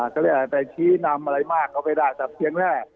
เขาเรียกว่าไปชี้นำอะไรมากเข้าไปได้จากเพียงแรก